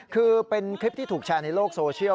คือเป็นคลิปที่ถูกแชร์ในโลกโซเชียล